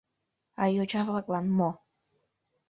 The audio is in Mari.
А йоча-влаклан мо?